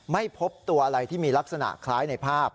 ไม่พบตัวอะไรที่มีลักษณะคล้ายในภาพ